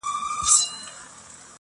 د هر چا په لاس کي خپله عریضه وه،